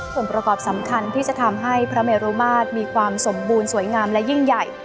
ส่วนประกอบสำคัญที่จะทำให้พระเมรุมาตรมีความสมบูรณ์สวยงามและยิ่งใหญ่